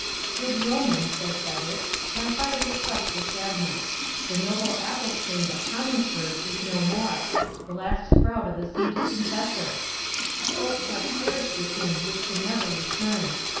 "Good yeoman," said Cedric, "my heart is oppressed with sadness. The noble Athelstane of Coningsburgh is no more—the last sprout of the sainted Confessor! Hopes have perished with him which can never return!